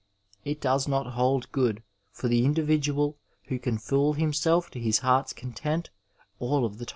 It does not hold good for the individual who can fool himself to his heart's content all of the time.